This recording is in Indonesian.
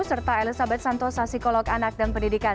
serta elizabeth santosa psikolog anak dan pendidikan